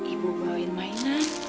ibu bawain mainan